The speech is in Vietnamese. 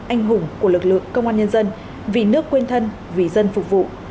anh hùng của lực lượng công an nhân dân vì nước quên thân vì dân phục vụ